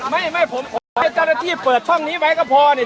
ไม่ไม่ผมขอให้เจ้าหน้าที่เปิดช่องนี้ไว้ก็พอนี่